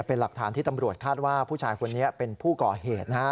เป็นหลักฐานที่ตำรวจคาดว่าผู้ชายคนนี้เป็นผู้ก่อเหตุนะฮะ